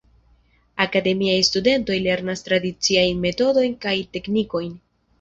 Akademiaj studentoj lernas tradiciajn metodojn kaj teknikojn.